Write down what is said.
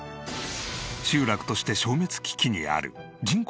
集落として消滅危機にある２０人か。